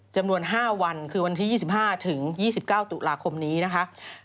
จำนวน๕วันคือวันที่๒๕๒๙ตุลาคมนี้นะคะ